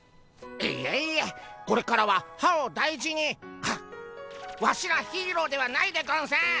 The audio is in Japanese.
いえいえこれからは歯を大事にあっワシらヒーローではないでゴンス。